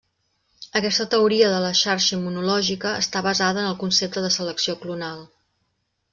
Aquesta Teoria de la xarxa immunològica està basada en el concepte de selecció clonal.